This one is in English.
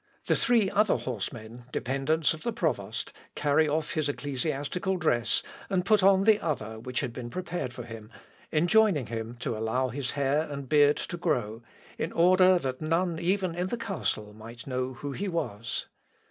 The three other horsemen, dependants of the provost, carry off his ecclesiastical dress, and put on the other which had been prepared for him, enjoining him to allow his hair and beard to grow, in order that none even in the castle might know who he was.